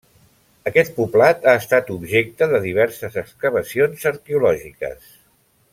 Aquest poblat ha estat objecte de diverses excavacions arqueològiques.